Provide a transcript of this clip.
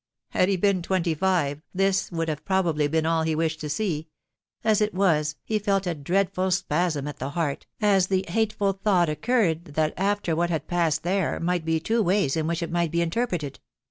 Had he bean twenty five, this would have probably been all he wished to see ; as it was, he felt a dreadful spasm at the heart, an the hateful thought occurred that after what had passed Acre might be two ways in which it might be interpreted.